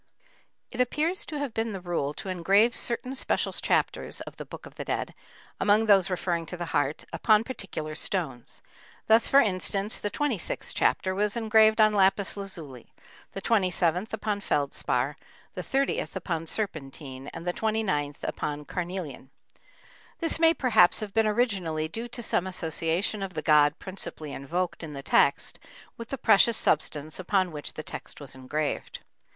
] It appears to have been the rule to engrave certain special chapters of the Book of the Dead, among those referring to the heart, upon particular stones. Thus, for instance, the 26th chapter was engraved on lapis lazuli, the 27th upon feldspar, the 30th upon serpentine, and the 29th upon carnelian. This may perhaps have been originally due to some association of the god principally invoked in the text with the precious substance upon which the text was engraved.